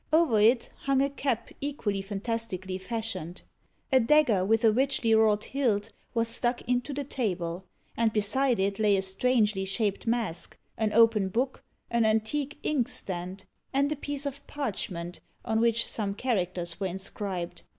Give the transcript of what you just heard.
Over it hung a cap equally fantastically fashioned. A dagger, with a richly wrought hilt, was stuck into the table; and beside it lay a strangely shaped mask, an open book, an antique inkstand, and a piece of parchment, on which some characters were inscribed.